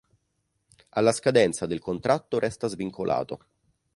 Alla scadenza del contratto resta svincolato.